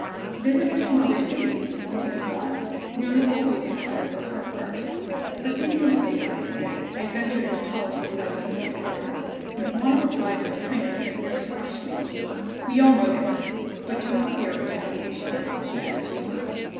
"Visitors from other cities," continued Wauna, "nearly always inquire for her first." Perceiving the mistake that I had made, I ventured an apology for my behavior toward her, and Wauna replied, with a frankness that nearly crushed me: "We all noticed it, but do not fear a retaliation," she added sweetly.